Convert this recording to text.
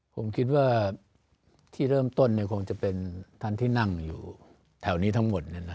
ผมคิดว่าที่เริ่มต้นคงจะเป็นท่านที่นั่งอยู่แถวนี้ทั้งหมด